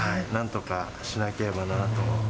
なんとかしなければなと。